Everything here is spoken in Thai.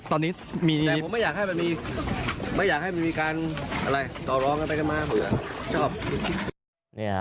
แต่ผมไม่อยากให้มีการต่อร้องอะไรมาผมอยาก